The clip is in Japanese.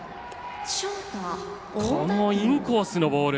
このインコースのボール。